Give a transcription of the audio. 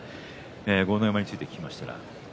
豪ノ山について聞きました。